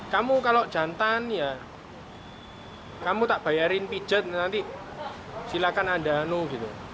kamu kalau jantan ya kamu tak bayarin pijet nanti silahkan anda no gitu